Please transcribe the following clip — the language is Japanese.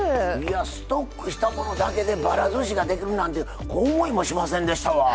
ストックしたものだけでばらずしができるなんて思いもしませんでした。